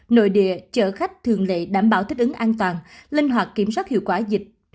nội địa chở khách thường lệ đảm bảo thích ứng an toàn linh hoạt kiểm soát hiệu quả dịch